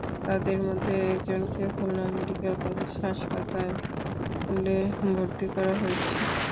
তাঁদের মধ্যে একজনকে খুলনা মেডিকেল কলেজ হাসপাতালে হাসপাতালে ভর্তি করা হয়েছে।